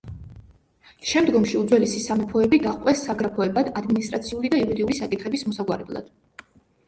შემდგომში უძველესი სამეფოები დაჰყვეს საგრაფოებად ადმინისტრაციული და იურიდიული საკითხების მოსაგვარებლად.